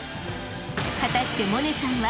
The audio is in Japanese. ［果たして百音さんは］